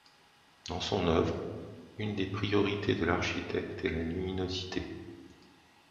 Dans son œuvre, une des priorités de l'architecte est la luminosité.